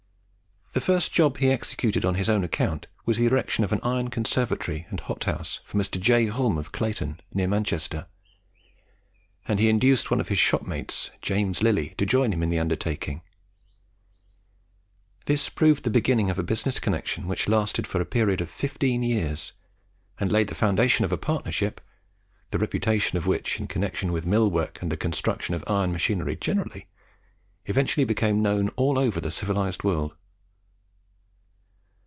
The first job he executed on his own account was the erection of an iron conservatory and hothouse for Mr. J. Hulme, of Clayton, near Manchester; and he induced one of his shopmates, James Lillie, to join him in the undertaking. This proved the beginning of a business connection which lasted for a period of fifteen years, and laid the foundation of a partnership, the reputation of which, in connection with mill work and the construction of iron machinery generally, eventually became known all over the civilized world.